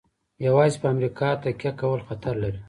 یوازې په امریکا تکیه کول خطر لري.